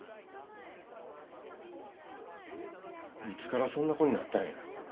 いつからそんな子になったんや。